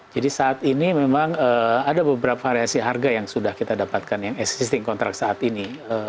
saat ini memang ada beberapa variasi harga yang sudah kita dapatkan yang existing kontrak saat ini